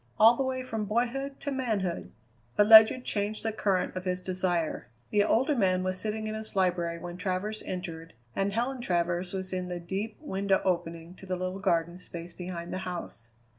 All the way from boyhood to manhood." But Ledyard changed the current of his desire. The older man was sitting in his library when Travers entered, and Helen Travers was in the deep window opening to the little garden space behind the house.